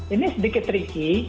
ini sedikit tricky